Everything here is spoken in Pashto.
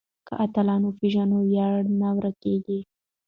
که اتلان وپېژنو نو ویاړ نه ورکيږي.